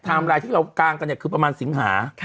ไลน์ที่เรากางกันเนี่ยคือประมาณสิงหา